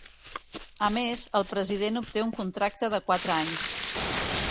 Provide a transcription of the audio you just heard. A més, el President obté un contracte de quatre anys.